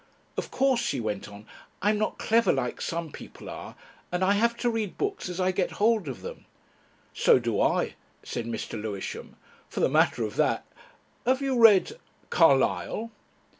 "Of course," she went on, "I'm not clever like some people are. And I have to read books as I get hold of them." "So do I," said Mr. Lewisham, "for the matter of that.... Have you read ... Carlyle?"